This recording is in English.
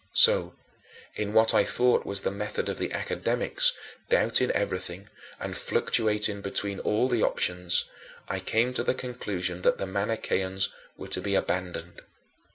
So, in what I thought was the method of the Academics doubting everything and fluctuating between all the options I came to the conclusion that the Manicheans were to be abandoned.